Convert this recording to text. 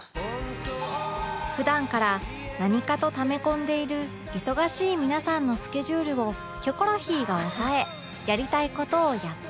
普段から何かとため込んでいる忙しい皆さんのスケジュールを『キョコロヒー』が押さえやりたい事をやってもらう